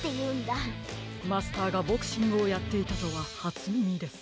マスターがボクシングをやっていたとははつみみです。